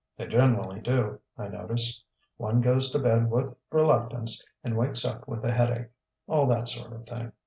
They generally do, I notice. One goes to bed with reluctance and wakes up with a headache. All that sort of thing....